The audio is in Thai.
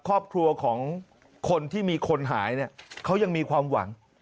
ครอบครัวของคนที่มีคนหายเนี่ยเขายังมีความหวัง